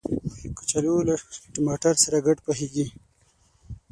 کچالو له ټماټر سره ګډ پخیږي